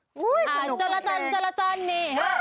ก็คือเมื่อวานนี้เดินทางมาถึงคืนที่สองแล้วนะ